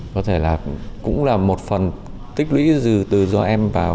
có thể là cũng là một phần tích lũy dừ từ do em vào